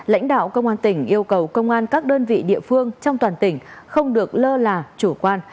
lãnh đạo công an tỉnh yêu cầu công an các đơn vị địa phương trong toàn tỉnh không được lơ là chủ quan